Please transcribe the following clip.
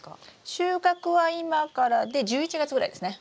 収穫は今からで１１月ぐらいですね。